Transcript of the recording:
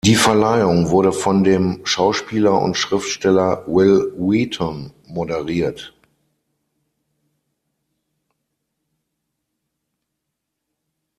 Die Verleihung wurde von dem Schauspieler und Schriftsteller Wil Wheaton moderiert.